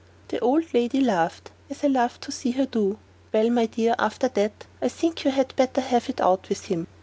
The old lady laughed, as I loved to see her do. "Well, my dear, after that, I think you had better have it out with him.